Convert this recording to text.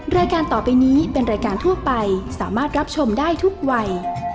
รายการต่อไปนี้เป็นรายการทั่วไปสามารถรับชมได้ทุกวัย